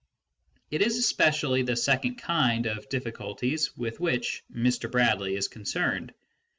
It is especially the second kind of difficulties with which Mr. Bradley is concerned.